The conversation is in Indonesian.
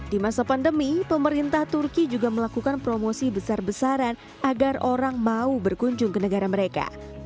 di masa pandemi pemerintah turki juga melakukan promosi besar besaran agar orang mau berkunjung ke negara mereka